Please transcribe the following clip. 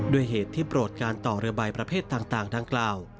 เหตุที่โปรดการต่อเรือใบประเภทต่างดังกล่าว